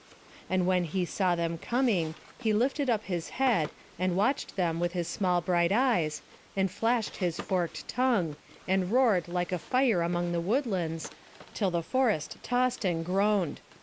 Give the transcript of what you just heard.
And when he saw them coming, he lifted up his head, and watched them with his small bright eyes, and flashed his forked tongue, and roared like the fire among the woodlands, till the forest tossed and groaned.